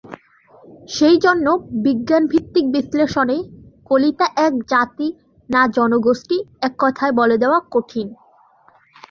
সেইজন্য বিজ্ঞানভিত্তিক বিশ্লেষণে কলিতা এক জাতি না জনগোষ্ঠী এককথায় বলে দেওয়া কঠিন।